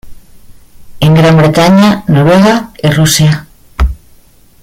En Gran Bretaña, Noruega y Rusia.